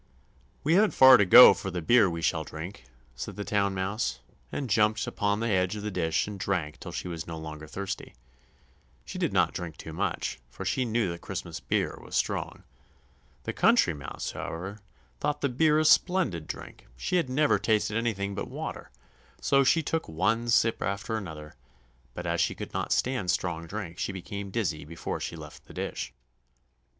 "We haven't far to go for the beer we shall drink," said the Town Mouse, and jumped upon the edge of the dish and drank till she was no longer thirsty; she did not drink too much, for she knew the Christmas beer was strong. The Country Mouse, however, thought the beer a splendid drink; she had never tasted anything but water, so she took one sip after another, but as she could not stand strong drink she became dizzy before she left the dish.